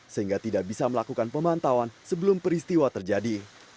sehingga tidak bisa melakukan pemantauan sebelum peristiwa terjadi